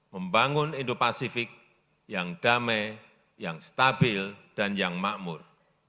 membangun indo pasifik yang damai yang stabil dan yang makmur